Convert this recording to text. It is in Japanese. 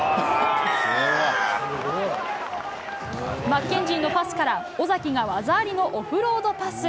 マッケンジーのパスから尾崎が技ありのオフロードパス。